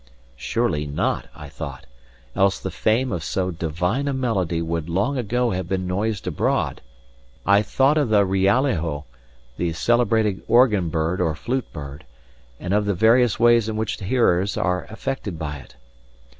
Surely not, I thought, else the fame of so divine a melody would long ago have been noised abroad. I thought of the rialejo, the celebrated organbird or flute bird, and of the various ways in which hearers are affected by it.